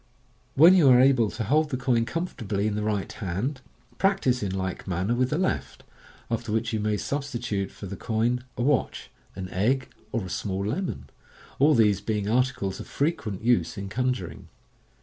When you are able to hold the coin comfortably in the right hand, practise in like manner with the left, after which you may substitute for the coin a watch, an egg, or a small lemon — all these being articles of frtquent use in con juring.